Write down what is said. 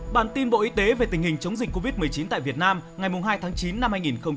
bản tin bộ y tế về tình hình chống dịch covid một mươi chín tại việt nam ngày hai tháng chín năm hai nghìn hai mươi